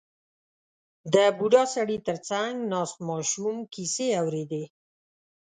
• د بوډا سړي تر څنګ ناست ماشوم کیسې اورېدې.